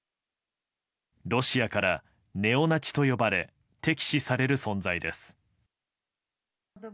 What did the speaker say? ロシアからネオナチと呼ばれ敵視される存在です。